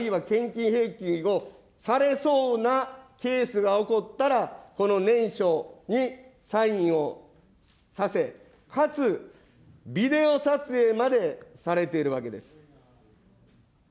全国で脱会しよう、あるいは献金返金をされそうなケースが起こったら、この念書にサインをさせ、かつビデオ撮影までされてるわけです。